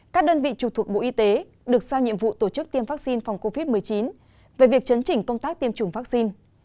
các đơn vị trục thuộc bộ y tế được sao nhiệm vụ tổ chức tiêm vaccine phòng covid một mươi chín về việc chấn chỉnh công tác tiêm chủng vaccine